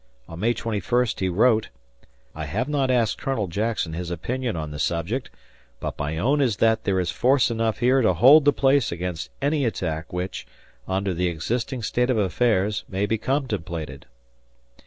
On May 21 he wrote: "I have not asked Colonel Jackson his opinion on the subject, but my own is that there is force enough here to hold the place against any attack which, under the existing state of affairs, may be contemplated."